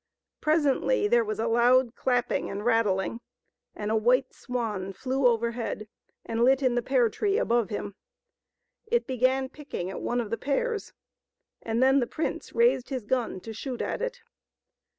Presently there was a loud clapping and rattling, and a white swan flew overhead and lit in the pear tree above him. It began picking at one of the pears, and then the prince raised his gun to shoot at it.